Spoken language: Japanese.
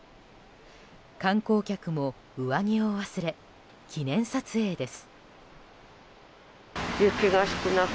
観光客も上着を忘れ記念撮影です。